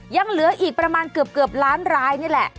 ยังเหลืออีกประมาณเกือบล้านรายนี่แหละ